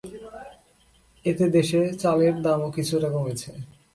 এতে দেশে চালের দামও কিছুটা কমেছে।